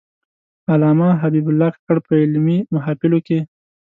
علامه حبیب الله کاکړ په علمي محافلو کې.